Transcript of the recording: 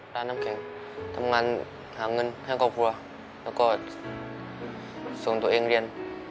น้ำแข็งทำงานหาเงินให้ครอบครัวแล้วก็ส่งตัวเองเรียน